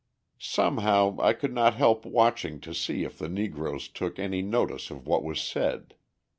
Somehow, I could not help watching to see if the Negroes took any notice of what was said.